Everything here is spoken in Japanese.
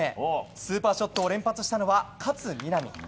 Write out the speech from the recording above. スーパーショットを連発したのは勝みなみ。